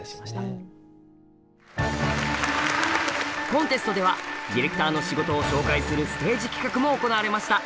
コンテストではディレクターの仕事を紹介するステージ企画も行われました。